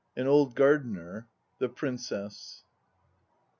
AN OLD GARDENER. THE PRINCESS.